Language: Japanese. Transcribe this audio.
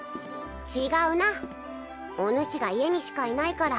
違うなおぬしが家にしかいないから